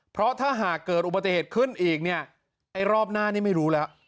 เพราะถ้าหากเกิดอุบัติเหตุขึ้นอีกเนี่ยไอ้รอบหน้านี่ไม่รู้แล้ว